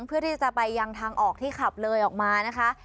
เพื่อที่จะไปยังทางออกที่ขับเลยออกมานะคะ